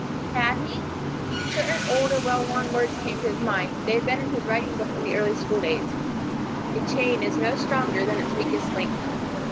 Had he? Certain old and well worn words came into his mind; they had been in his writing book in the early school days: "A chain is no stronger than its weakest link."